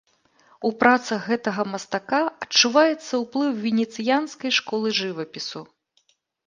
У працах гэтага мастака адчуваецца ўплыў венецыянскай школы жывапісу.